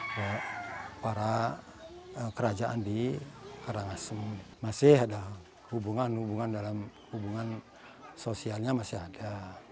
untuk para kerajaan di karangasem masih ada hubungan hubungan dalam hubungan sosialnya masih ada